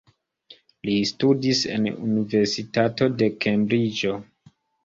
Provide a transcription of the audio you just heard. Li studis en Universitato de Kembriĝo.